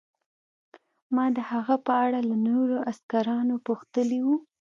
ما د هغه په اړه له نورو عسکرو پوښتلي وو